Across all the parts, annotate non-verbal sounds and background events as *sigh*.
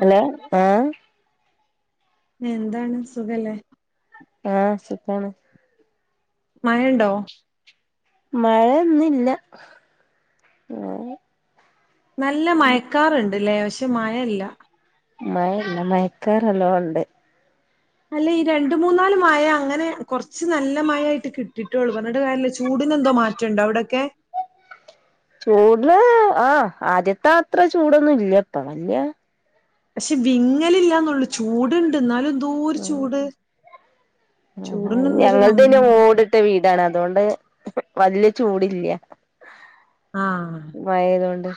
Hello ആഹ് എന്താണ് സുഖല്ലേ. ആ സുഖാണ്. മഴണ്ടോ. മഴന്നില്ല. നല്ല മഴക്കാറ്ണ്ട് ലേ പക്ഷെ മഴല്ല. മയല്ല മയക്കാറലോണ്ട് അല്ല ഈ രണ്ട് മൂന്നാല് മഴ അങ്ങനെ കുറച്ച് നല്ല മഴേയിട്ട് കിട്ടിട്ടൊള്ളു പറഞ്ഞിട്ട് കാര്യല്ല ചൂടിന് എന്തോ മാ റ്റണ്ടൊ അവടൊക്കെ ചൂട് ആ ആദ്യത്ത അത്ര ചൂടൊന്നും ഇല്ല്യപ്പാ വല്യ പക്ഷെ വിങ്ങലില്ലാന്നൊള്ളു ചൂട്ണ്ട് ന്നാലും എന്തോ ഒരു ചൂട്. ആ ചൂടിനൊന്നും ഒരു ഞങ്ങൾതായ്ന് കമ്മിയില്ല ഓടിട്ട വീ ടാണ് അതുകൊണ്ട് വല്ല്യ ചൂടില്ല ആഹ് മഴയാതൊണ്ട്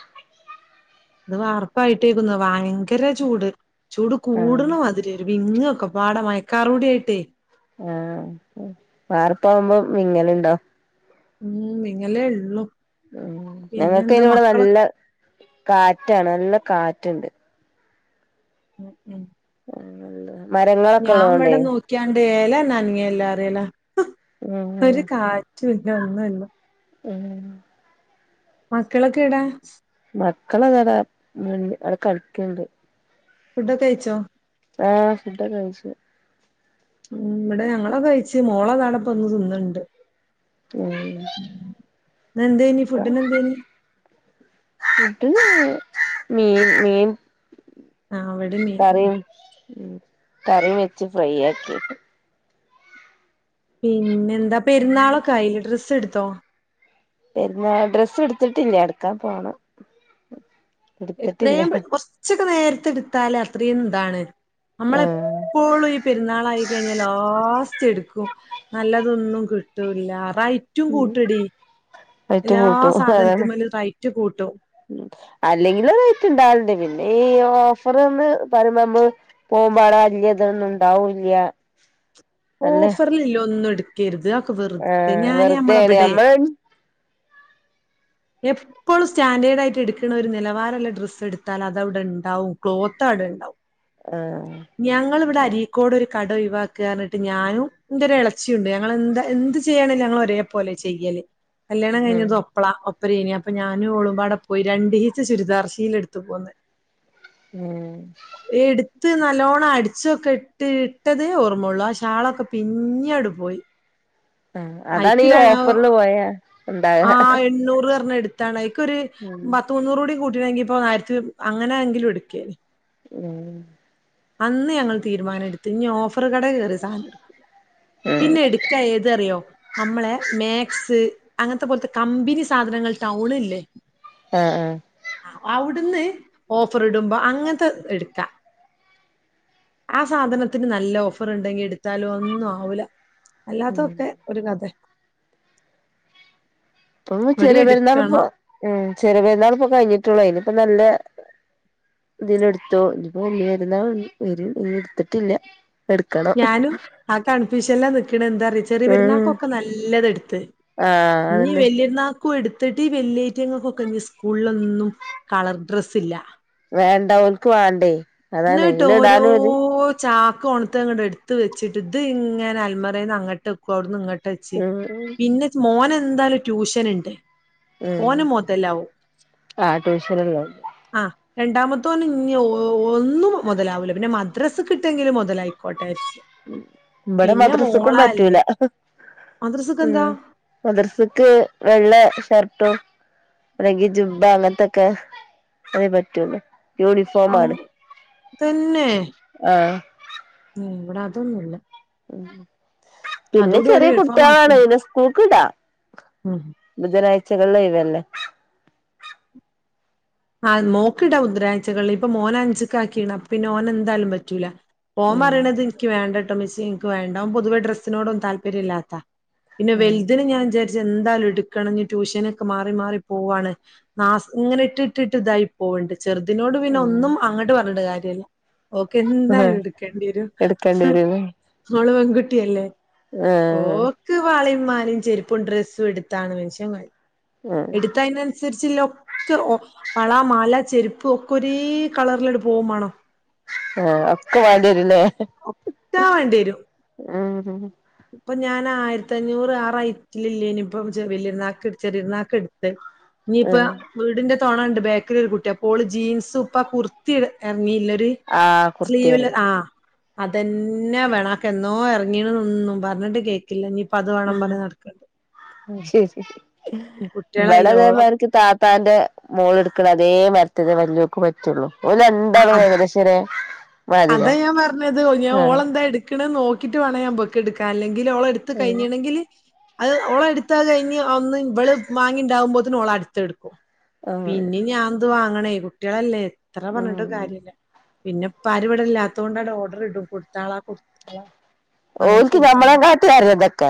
ഇത് വാർപ്പായിട്ടേക്കുന്ന ഭയങ്കര ചൂട് ചൂട് ആഹ് കൂടണ മാതിരി വിങ്ങൊ ഒക്കെ പാട മയക്കാറുടി ആയിട്ടേ ആഹ് വാർപ്പാവുമ്പോ വിങ്ങലുണ്ടോ ഉം വിങ്ങലെ ഉള്ളു ഉ പിന്നെന്താ ഞങ്ങൾക്ക്അയിന് വടെ മക്കളൊ നല്ല കാറ്റാണ് നല്ല കാറ്റ്ണ്ട് ഉം ഉം നല്ല ഞാൻ ഇവടെ നോക്കിയാണ്ട ഏലന്നനങ്ങല്ലാം അറല ഉം ഒരു കാ *unintelligible* ഒന്നുല്ല ഉം മക്കളൊക്കെ എടേ മക്കള അതവിടമ് അവിടെ കളിക്കണ്ട് ഫുഡ് കയിച്ചോ ആഹ് ഫുഡ്ക്കെ കഴിച്ചു ഉ ഇവിടെ ഞങ്ങള കഴച്ച് മോളോതാടപ്പൊ ഒന്ന് തിന്നണ്ട് ഉം നന്ദദേനി ഒക്കെ ഫുഡ്ന്‌ നന്ദദേനി ഫുഡിന് മീൻ മീൻ ആ അവിടെ മീൻ തന്നെ ഉ കറി വെച്ച് ഫ്രൈ ആക്കിട്ട് പിന്നെ എന്താ പെരുന്നാളൊക്കെയില്ല ഡ്രസ്സ് എടുത്തോ പരുന്നാ ഡ്രസ്സ് എടുത്തിട്ട് ഇല്ല എടുക്കാൻ പോണം എടുത്തിട്ടില്ല എത്രയും പെ കൊറച്ചക്ക നേരത്തെ ട്ത്താല് അത്രയും ഇതാണ് നമ്മളെ എപ്പ് ആഹ് എപ്പോളും ഈ പെരുന്നാളായി കഴിഞ്ഞാൽ ലാസ്റ്റ് എടുക്കും നല്ലതൊന്നും കി ട്ടുല്ല റൈറ്റും ഉം കൂട്ടുംടി റേറ്റ് എല്ലാ കൂട്ടും സാധനത്തി മേലും റൈറ്റ് കൂട്ടും ഉ അല്ലെങ്കിൽറൈറ്റ് ഇണ്ടാവലുണ്ട് പിന്നെ ഈ ഓഫർന്ന് പറമ്പോ നമ്മള് പോകുമ്പാട വല്യതൊന്നും ഇണ്ടാവൂല്ല ഓഫറില് ള്ള തൊന്നും എടുക്കരുത് അഹ് വെർദെ ആഹ് ഞാന വെറുതെയാണ് നമ്മളെവിടെ നമ്മള് എപ്പളും സ്റ്റാൻഡേർഡ് ആയിട്ട് എടുക്കണ ഒരു നിലവാരള്ള ഡ്രസ്സ് എടുത്താൽ അത് അവിടെ ഉണ്ടാവും ക്ലോത്ത് അവിടെ ഉണ്ടാവും ആഹ് ഞങ്ങളിവിടെ ഉം അരീക്കോട് ഒരു കട ഒഴിവാക്ക പർ ഞാനും ന്റെ ഒരു ഇളച്ചിയുണ്ട് ഞങ്ങ എന്താ എന്ത് ചെയ്യാണേലും ഞങ്ങള് ഒരേ പോലെ ചെയ്യല് കല്യാണം കഴിഞ്ഞതോ അപ്പളാ ഒപ്പരേനനി അപ്പൊ ഞാനും ഓളമ്പാടെ പോയി രണ്ടീച്ച ചുരിദാർശില ടുത്ത് പോന്ന് ഉം എടുത്ത് നല്ലോണ്ണം അടിച്ചൊക്കെ ഇട്ട ഇട്ടതേ ഓർമ്മയുള്ളു ആ ഷീ ഷാളൊക്കെ പിഞ്ഞി ആണ്ടു പോയി ആഹ് അതാണ് അയിക്ക് ഈ രാ ഹ് ഓഫറില് പോയാ ഉണ്ടാക ആ എണ്ണൂറ് പറഞ്ഞ് എടുത്താണ് ഐക്കൊരു ഉം പ ത്ത് മൂന്നൂറ് കൂടി കൂട്ടിയിരുനെങ്കിൽ ഇപ്പോ ആയിരത്തി അങ്ങനെങ്കിലും എടുക്കേനി ഉം അന്ന് ഞങ്ങൾ തീരുമാനം എടുത്തു ഇനി ഓഫറ് കടയിൽ കയറി സാധനം എടുക്കൂല്ല ഉം പിന്നെ എടുക്കാ ഏതറിയോ നമ്മളെ മാക്സ് അങ്ങനത്തെ പോലത്തെ കമ്പനി സാധനങ്ങൾ ടൗണില്ലേ ആഹ് ആഹ് അവിടുന്ന് ഓഫർ ഇടുമ്പോ അങ്ങനത്തെ എടുക്കാം ആഹ് സാധനത്തിന് നല്ല ഓഫർ ഉണ്ടെങ്കി എടുത്താലും ഒന്നും ആവൂല ഉം അല്ലാത്തതൊക്കെ ഒരു കഥ ഇപ്പം ഇവിടെ ചെറിയ പെരുന്നാളിപ്പ എടുക്കണം ഉം ചെറിയ പെരുന്നാൾ ഇപ്പൊ കഴിഞ്ഞിട്ടുള്ളൂ ഇനിപ്പ നല്ല ഇതിന് എടുത്തു ഇനി ഇപ്പോ വല്യ പെരുന്നാൾ വരും ഒന്നും എടുത്തിട്ടില്ല എടുക്കണം ഞാനും ആ കൺഫ്യൂഷനില നിക്കണെ എന്താറിയിച്ച ചെറിയ ഉം പെരുന്നാക്കൊക്കെ നല്ലതെടുത്ത് ആഹ് ഇനി അതന്നെ വല്ല്യ പെരുന്നാൾ ക്കു എടുത്തിട്ട് ഈ വല്യ ഐറ്റങ്ങക്കൊക്കെ ഇനി സ്കൂളിലൊന്നും കളർ ഡ്രെസ്സില്ല വേണ്ട ഓൾക്ക് വേണ്ടേ അതാണ് എന്നിട്ട് ഇയിന് ഓരോ ഇടാനുള്ളത് ചാക്ക് ഓണത്തെ ഇങ്ങോട്ട് എടുത്ത് വെച്ചിട്ട് ഇത് ഇങ്ങനെ അലമാരേന്ന് അങ്ങോട്ട്‌ വെക്കും അവിടുന്ന് ഇങ്ങോ ട്ട് വെച്ച് ഉം പിന്നെ മോന് എന്തായാലും ട്യൂഷൻ ഉണ്ട് ഉം ഓന് മൊതലാവും ആ ട്യൂഷനുള്ള കൊണ്ട് ആഹ് രണ്ടാമത്തോന് ഇനി ഒ ഒന്നും മുതലാവൂല്ല പിന്നെ മദ്രാസക്ക്‌ ഇട്ടെങ്കിലും മുതലായിക്കോട്ടെ വെച്ച് ഇവിടെ മദ്രസക്കും പറ്റൂല മദ്രസക്ക് ഉം എന്താ മദ്രസക്ക്‌ വെള്ള ഷർട്ടും അല്ലെങ്കി ജുബ്ബ അങ്ങനത്തൊക്കെ അതേ പറ്റുള്ളൂ യൂണിഫോം ആണ് ആഹ് ഉം ഇവിടെ അതൊന്നും ഇല്ല പിന്നെ ഓല് ചെറിയ യൂണിഫോം കുട്ടികളാണ് ആക്കി പിന്നെ സ്കൂൾക്കും ഇടാം ഉം ബുധനാഴ്ചകളിൽ ഒഴിവല്ലേ ആഹ് മോക്കിടാം ബുധനാഴ്ചകളിൽ ഇപ്പൊ മോന് അഞ്ചിക്ക് ആക്കിണ് അപ്പൊ പിന്നെ ഓന് എന്തായാലും പറ്റൂല ഓൻ ഉം പറയണത് എനിക്ക്‌ വേണ്ടട്ടൊ ഉമ്മിച്ചി എനിക്ക് വേണ്ട ഓൻ പൊതുവെ ഡ്രെസ്സിനോടൊന്നും താല്പര്യം ഇല്ലാത്താ പിന്നെ ഉം വലിതിന് ഞാൻ വിചാ ച്ച് ഇനി എന്താലും എടുക്കണം ഇനി ട്യൂഷനൊക്കെ മാറി മാറി പോവാണ് നാസ് ഇങ്ങനെ ഇട്ടിട്ടിട്ട് ഇതായി പോവുണ്ട് ചെറുതിനോട് പിന്നെ ഉം ഒന്നും അങ്ങോട്ട് പറഞ്ഞിട്ട് കാര്യല്ല ഓക്ക്‌ ആഹ് എന്തായാലും എടുക്കേണ്ടി വരും എടുക്കേണ്ടി വരുല്ലേ ഓള് പെൺകുട്ടിയല്ലേ ആഹ് ഓക്ക് വളയും മാലയും ചെരുപ്പും ഡ്രെസ്സും എടുത്താണ് മനുഷ്യൻ കൊഴ ആഹ് എടുത്താ അതിനനുസരിച്ചല്ല ഒക്കെ ഒ വള മാല ചെരുപ്പ് ഒക്കെ ഒരേ കളറില് അങ്ങട്ട് പോവുവേം വേണം ആഹ് ഒക്കെ വേണ്ടി വരും അല്ലേ ഒക്കെ വേണ്ടി വരും ഉം ഉം ഇപ്പൊ ഞാൻ ആയിരത്തി അഞ്ഞൂറ് ആ റേയിറ്റില്ലില്ലേന് ഇപ്പം വലിയ പെരുന്നാക്ക് ചെറിയ പെരുന്നാക്ക് എടുത്ത് ഇന്നി ഇപ്പോ ഉം വീടിന്റെ തോണ ഉണ്ട് ബാക്കിൽ ഒരു കുട്ടി അപ്പോ ഓള് ജീൻസ് ഇപ്പ ആ കുർത്തി ഇറങ്ങിയില്ല ഒരു ആഹ് സ്ലീവില് കുർത്തിയറി ആഹ് അതന്നെ വേണം അതൊക്കെ എന്നോ ഇറങ്ങീണന്ന് ഒന്നും പറഞ്ഞിട്ട് കേ ക്കില്ല ഇഞ്ഞി ഇപ്പ അതൊ ഉം അയ് ശരി ഇബടെ അതെ കുട്ടികളെല്ലോളം മാര്ക്ക് താത്തന്റെ മോള് ഇട്ക്ക്ണ അതേ മാര്ത്തത് വല്ല്യോക്ക് പ റ്റൊള്ളൂ ഓല് രണ്ടാളു അത് ഏകദേശ ഒരേ മാതിരിയ ആ ക്ക്ണ നോക്കിട്ട് വാണം ഞാൻ ഇബക്ക് ഇട്ക്കാ അല്ലേങ്കില് ഓള ഇട്ത്ത്‌ ആഹ് കഴിഞ്ണെങ്കില് അത് ഓള് ഇട്ത്ത അത് കഴിഞ്ഞ് ഒന്ന് ഇവള് വാങ്ങിണ്ടാവുമ്പോത്തിന് ഓള അട്ത്ത ഇട്ക്കും ആഹ് പിന്നിം ഞാൻ ഇത് വാങ്ങണേ കുട്ടിയളല്ലേ എത്ര പർഞ്ഞിട്ടും ഉം കാര്യല്ല പിന്നെ ഇപ്പാര് ഇവടെ ഇല്ലാത്തോണ്ടാണ്ട് ഓഡറ് ഇടും കൊട്ത്താളാ കൊട്ത്താള ഓൽക്ക് ഞങ്ങളെകാട്ടി അറിയാ ഇതൊക്ക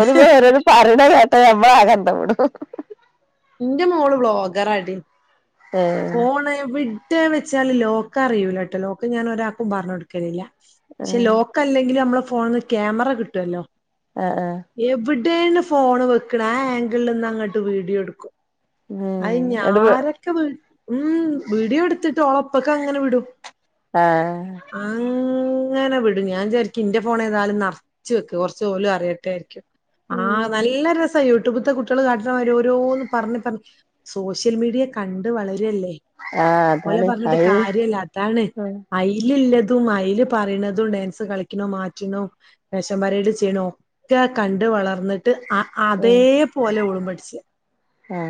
ഓല് വേറൊരു പറിണ കേട്ട ഞമ്മളാക അന്തം വിടും ഇന്റെ മോള് വ്ലോഗറാടി ഏഹ് ഫോണ് എവി ടെ വെച്ചാലു ലോക്ക്‌ അറിയൂലട്ടോ ലോക്ക് ഞാനൊരാക്കും പർഞ്ഞ് കൊടുക്കലില്ല പക്ഷെ ആഹ് ലോ ക്ക്‌ അല്ലെങ്കിളും ഞമ്മള ഫോൺന്ന് ക്യാമറ കിട്ടല്ലോ ആ ആ എവ്ടെണ് ഫോണ് വെക്ക്ണ ആ ആങ്കിൾല്ന്ന് അങ്ങട്ട് വീഡിയോ ഇട് അത് ഉം ഇഞ് ഇങ്ങട്ട് വ് ആരക്ക വി ഉം വീഡിയോ ഇട്ത്തിട്ട് ഓള ഇപ്പക്ക് അങ്ങനെ വിടും ഏ അ ങ്ങനെ വിടും ഞാൻ വിചാരിക്കും ഇന്റെ ഫോണേതാലും നർച് വെക്ക കൊർ ച്ച് ഓലും അറിയട്ടെ വിചാരിക്യും ആ ഉം നല്ല രസാ യൂടുബ് ത്ത കുട്ടിയള് കാട്ട്ണമാരി ഓരോന്ന് പർഞ്ഞ് പർഞ്ഞ് സോഷ്യൽ മീഡിയ കണ്ട് വളരല്ലേ ആഹ് ഓലെ അതാണ് അത് പർഞ്ഞിട്ട് ആഹ് കാര്യ ഇല്ല അതാണ് അയില് ഇല്ലതും അയ്ല് പറിണതും ഡാൻസ് കളിക്ക്ണും മാറ്റ്ണും പാഷൻ പരേഡ് ചെയ്യ്ണ ഒക്ക കണ്ട് വളർന്ന്ട്ട് അ അതേപോലെ ഓളും പട്ച്ച ആ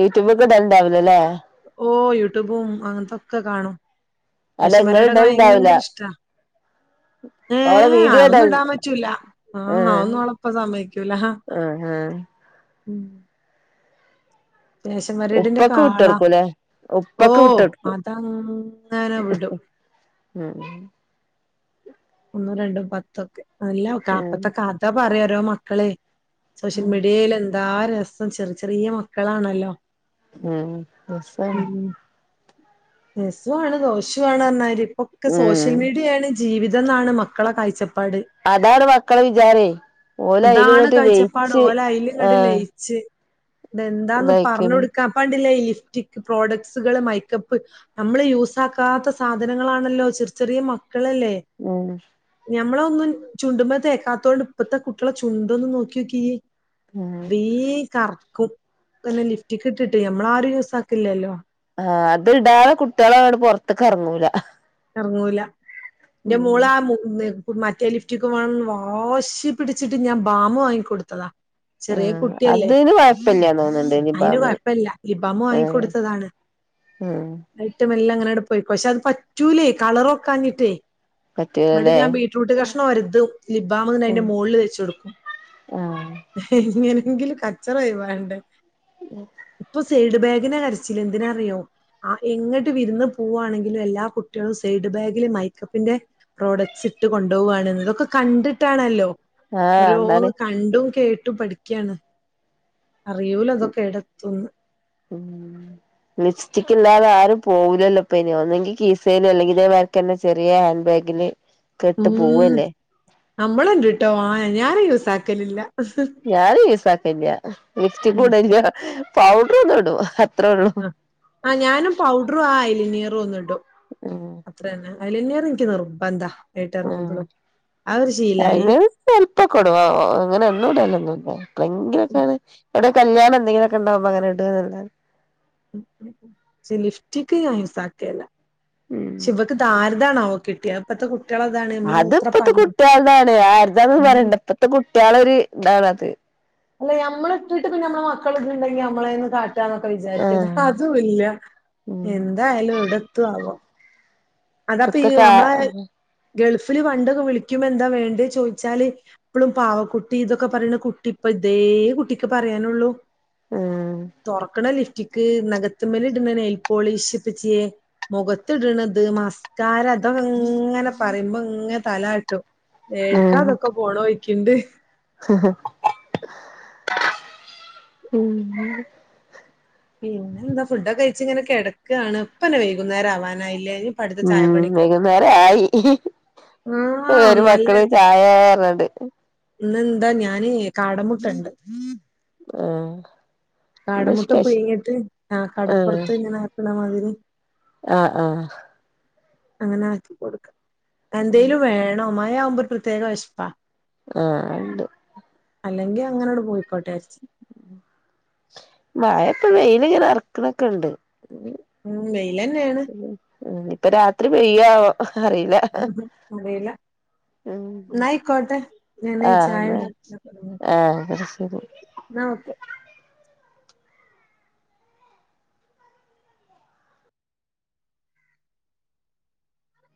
യൂട്യൂബ്ക് ഇടൽണ്ടാവുല ലെ ഓ യൂട്യൂബും അങ്ങൻത്തൊക്ക കാണും അല്ല പാഷൻ ഇങ്ങള് പരേഡ് ഒക്ക ഇടലുണ്ടാവൂല ഭയങ്കര ഇഷ്ട ഏ ഓളെ വീഡിയോ അതൊന്നും ഇടല് ഇടാം പറ്റൂല ആ അതൊന്നും ആഹ് ഓള ഇപ്പ സമ്മയ്‌ക്കൂല ആഹ് ആഹ് ഉം ഫാഷൻ പരേഡിന്റെ ഒക്കെ ഉപ്പക്ക് ആളാ വിട്ടട്ക്കുലെ ഓ ഉപ്പക്ക് വിട്ടൊട് അതങ്ങനെ വിടും ഉം ഉം ഒന്നും രണ്ടും പത്തൊക്കെ അല്ല ക ഉം ഇപ്പത്ത കഥ പറയാ ഓരോ മക്കളെ സോഷ്യൽ മീഡിയേല് എന്താ രസം ചെർ ചെറ്യേ മക്കളാണല്ലോ ഉം രസാണ് രസ്സു ആണ് ദോഷു ആണ് പർഞ്ഞമാരി ഇപ്പ ഒക്ക സോഷ്യൽ ഉം മീഡിയേണ് ജീവിത ഇതന്നാണ് മക്കള കാഴ്ചപ്പാട് അതാണ് മക്കളെ വിചാരെ അതാണ് കാഴിച്ചപ്പാട് ഓല അയില് ഇങ്ങട്ട് ആഹ് ലയിച്ച് ഇതെന്താന്ന് പർഞ്ഞ് ഇതായിക്ക്ണ് കൊടുക്കാ ഇപ്പ കണ്ടില്ലേ ഈ ലിഫ്റ്റിക് പ്രോഡക്ട്സുകള് മൈക്കപ്പ് നമ്മള് യൂസാക്കാത്ത സാധനങ്ങളാണല്ലോ ചെർ ചെറ്യേ മക്കളല്ലേ ഉം ഞമ്മള ഒന്നും ചുണ്ടുമ തേക്കാത്തൊണ്ട് ഇപ്പത്ത കുട്ടിയള ചുണ്ടൊന്ന് നോക്കിയോക്കി ഉം ബേം കർക്കും ഇപ്പന്നെ ലിഫ്റ്റ്ക് ഇട്ടിട്ട് ഞമ്മളാരും യൂസാക്ക്ല്ലല്ലോ ആ അത് ഇടാത കുട്ടിയള് അങ്ങട്ട് പൊർത്ത്ക്ക് എർങ്ങൂല എർങ്ങൂല ഇന്റെ മോളാ മൂന്ന് മറ്റേ ലിഫ്റ്റിക്ക് വേണംന്ന് വാശി പിടിച്ചിട്ട് ഞാൻ ബാമ് വാങ്ങി കൊടുത്തതാ ചെറിയ ആഹ് കുട്ടിയല്ലേ അതിന് കൊഴപ്പില്ലാന്ന് തോന്നുന്നുണ്ട് അയിന് നിബാമിന് കൊഴപ്പില്ല ലിപ് ബാമ് ആഹ് വാങ്ങിക്കൊടുത്തതാണ് ഉം മെല്ല അങ്ങനണ്ട് പോയിപക്ഷെ അത് പറ്റൂലേ കളറൊക്കാഞ്ഞിട്ടേ എന്നിട്ട് പറ്റൂലല്ലേ ഞാൻ ബീറ്റ്റൂട്ട് കഷ്ണം ഒരതും ലിപ്ഭാമ് അതിന്റെ ഉം മോളിൽ തേച്ചൊടുക്കും ആഹ് എങ്ങനെങ്കിലും കച്ചറ ഒയിവാവണ്ടേ ഉം ഇപ്പൊ സൈഡ് ബാഗിനാ കരച്ചില് എന്തിനാ അറിയോ ആ എങ്ങിട്ട് വിരുന്ന് പോവാണെങ്കിലും എല്ലാ കുട്ട ട്ട്യോളും സൈഡ് ബാഗിൽ മയിക്കപ്പിന്റെ പ്രോഡക്ട്സ് ഇട്ട് കൊണ്ടുപോവാണ്ന്ന് ഇതൊക്കെ കണ്ടിട്ടാണല്ലോ ആഹ് ഓരോന്ന് എന്താണ് കണ്ടും കേട്ടും പഠിക്ക ക്കാണ് അറിയൂല ഇതൊക്കെ ഏടെത്തുംന്ന് ഉം *inaudible* ലിപ്സ്റ്റിക്ക് ഇല്ലാതെ ആരും പോവുല്ലല്ലോ ഇപ്പ അയിന് ഒന്നെങ്കിൽ കീസേല് അല്ലെങ്കി ഇതേ മാൽക്കെന്നെ ചെറിയ ഹാൻഡ് ബാഗില് കെട്ട് ഉം പോവല്ലേ നമ്മളണ്ട്ട്ടോ ആ ഞാൻ യൂസ് ആക്കലില്ല ഞാനും യൂസാക്കലില്ല ലിഫ്റ്റിക്കും ഉം ഇടലില്ല്യ പൗഡർ ഒന്നും ഇടും അത്ര ഉള്ളൂ ആഹ് ഞാനും പൗഡറും ആ അലിനീയറും ഒന്നും ഇടും ഏഹ് അലീഞ്ഞറ് ഇനിക്ക് നിർബന്ധാ അതിട്ട് ഇറങ്ങുമ്പളും അത് ഒരു ശീലായി ചെല്പ്പൊ ഒക്കെ ഇടും അങ്ങനെ എന്നും ഇടലൊന്നും ഇല്ല എപ്പളെങ്കിലൊക്കെങ്ങനെ എവിടേ കല്യാണം എന്തെങ്കിലൊക്കെ ഇണ്ടാവുമ്പോ അങ്ങനെ ഇട് ന്നല്ലാതെ പക്ഷേ ലിഫ്റ്റിക്ക് ഞാൻ യൂസാക്കേല ഉം പക്ഷേ ഇവക്ക് ധാര തണാവോ കിട്ടിയെ ഇപ്പത്തെ കുട്ട്യാളെ ഇതാണ് അത് ഇപ്പത്തെ കുട്ട്യാളതാണ് ആര്താന്നും ഉം പറയണ്ട ഇപ്പത്തെ കുട്ട്യാളെ ഒരു ഇതാണത് അല്ല ഞമ്മള് ഇട്ടിട്ട് പിന്നെ ഞാമ്മളെ മക്കള് ഇട്ണണ്ടെങ്കിൽ നമ്മളെന്ന് കാ ട്ടാന്നൊക്കെ വിചാരിക്ക ഇത്‌ ആഹ് അതും ഇല്ല ഉം എന്തായാലും എവിടെത്തോ ആവോ അതാപ്പൊ ഈ ഇപ്പത്തെ ഞമ്മളെ കാ ഗൾഫില് പണ്ടൊക്കെ വിളിക്കുമ്പോ എന്താ വേണ്ടത് ചോദിച്ചാല് എപ്പളും പാവക്കുട്ടി ഇതൊക്കെ പറയ്ണ കുട്ടി ഇപ്പ ഇതേ കുട്ടിക്ക് പറയാനൊള്ളൂ ഉം തൊറക്ക്ണ ലിഫ്റ്റ നഖത്ത്മ്മല് ഇട്ണ നെയിൽ പോളിഷ് ഇപ്പച്ച്യേ മൊഖത്തിട്ണ ഇത് മാസ്ക് ക്കാരം ഇതൊക്കെ ഇങ്ങനെ പറയുമ്പോ ഇങ്ങനെ തല ആട്ടും ഏട്ക്കാ ഇതൊക്കെ പോണോയിക്കിണ്ട് ഉം പിന്നെ എന്താ ഫുഡൊക്കെ കഴിച്ച് ഇങ്ങനെ കിടക്കാണ് ഇപ്പന്നെ വൈകുന്നേം ആവാനായില്ലേ ഇപ്പ അടുത്ത ഉം ചായപ്പണിക്കൊക്കെ വൈകുന്നേരം ആയി ഇപ്പം ആഹ് വരും മക്കള് ചായേ പറഞ്ഞാണ്ട് ഇന്ന് എന്താ ഞാന് കാടമുട്ടണ്ട് ആഹ് എന്താ കടമുട്ട സ്പെഷ്യ പുഴുങ്ങിട്ട് ആ ആഹ് കടപ്പുറത്ത് ഇങ്ങനെ ആക്ക്ണമാതിരി ആഹ് ആഹ് അങ്ങനെ ആക്കികൊടുക്ക എന്തേലും വേണം മയാമ്പൊ ഒരു പ്രത്യേക വിശപ്പാ ആഹ് അദു അല്ലെങ്കിൽ അങ്ങനണ്ട് പോയിക്കോട്ടെ ച്ച് മഴയിപ്പോ, വെയിലിങ്ങനെ എറ്ക്ക്ണക്കണ്ട്. ഉം വെയിലനെണ്. ഉം ഉം ഇപ്പം രാത്രി പെയ്യാവോ. അറീല്ല അറിയില്ല. ന്ന ഉം ആയികോട്ടെ, ഞാന് ആഹ് ചായ എന്നാ ഉണ്ടാക്കാ തോടങ്ങ ആഹ് ശരി ന്നാ ഓക്കെ.